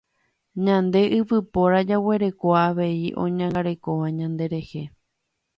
Ñande yvypóra jaguereko avei oñangarekóva ñanderehe.